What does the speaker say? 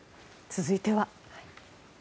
続いては。